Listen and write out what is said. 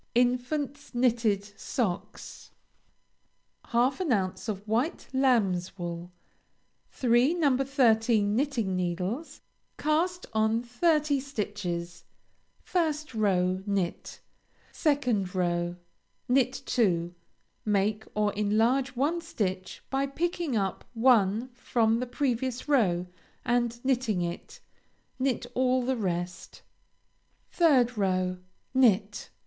INFANT'S KNITTED SOCKS. Half an ounce of White Lamb's Wool. Three No. 13 Knitting Needles. Cast on Thirty stitches. 1st row Knit. 2nd row Knit two; make or enlarge one stitch by picking up one from the previous row and knitting it; knit all the rest. 3rd row Knit.